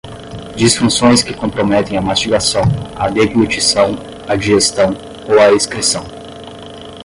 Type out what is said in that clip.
Disfunções que comprometem a mastigação, a deglutição, a digestão ou a excreção.